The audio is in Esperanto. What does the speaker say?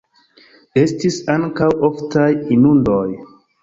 Estis ankaŭ oftaj inundoj.